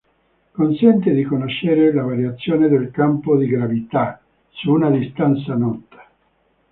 Consente di conoscere la variazione del campo di gravità su una distanza nota.